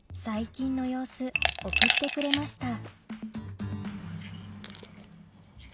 最近の様子送ってくれました